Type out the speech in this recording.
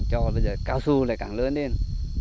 cho bây giờ cao su lại càng lớn lên